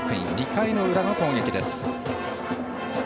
２回の裏の攻撃です。